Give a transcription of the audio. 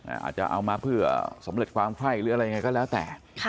อาจจะเอามาเพื่อสำเร็จความไคร้หรืออะไรยังไงก็แล้วแต่